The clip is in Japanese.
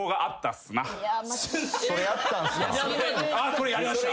これやりました。